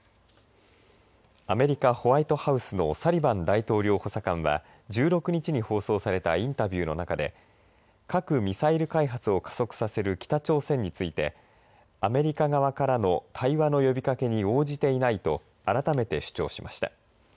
アメリカ、ホワイトハウスのサリバン大統領補佐官は１６日に放送されたインタビューの中で核・ミサイル開発を加速させる北朝鮮についてアメリカ側からの対話の呼びかけに応じていないと改めて主張しました。